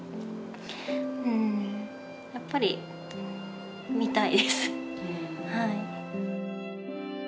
うんやっぱり診たいです。